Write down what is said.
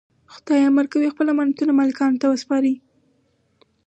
خدای امر کوي خپل امانتونه مالکانو ته وسپارئ.